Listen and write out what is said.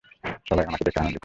সবাই তোমাকে দেখে আন্দদিত।